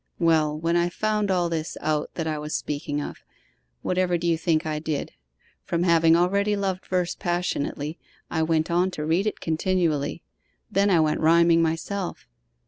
'Well, when I found all this out that I was speaking of, what ever do you think I did? From having already loved verse passionately, I went on to read it continually; then I went rhyming myself.